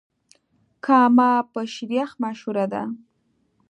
کامه په شيريخ مشهوره ده.